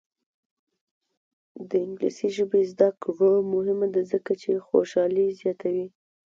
د انګلیسي ژبې زده کړه مهمه ده ځکه چې خوشحالي زیاتوي.